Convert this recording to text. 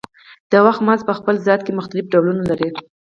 د وخت مزد په خپل ذات کې مختلف ډولونه لري